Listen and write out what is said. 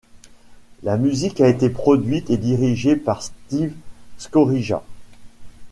La musique a été produite et dirigée par Steve Skorija.